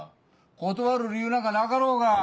断る理由なんかなかろうが。